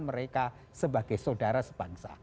mereka sebagai saudara sebangsa